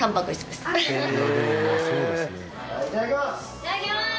いただきます！